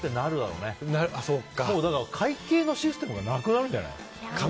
もう会計のシステムがなくなるんじゃない？